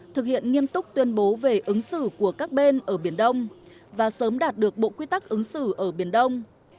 thực hiện nghiêm túc tuyên bố về ứng xử của các bên ở biển đông và sớm đạt được bộ quy tắc ứng xử ở biển đông